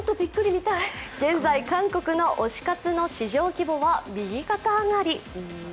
現在、韓国の推し活の市場規模は右肩上がり。